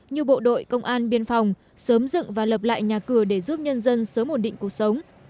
như bộ đội công an biên phòng sớm dựng và lập lại nhà cửa để giúp nhân dân sớm ổn định cuộc sống